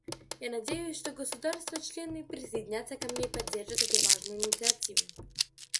Я надеюсь, что государства-члены присоединятся ко мне и поддержат эту важную инициативу.